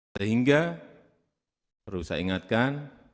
sehingga perlu saya ingatkan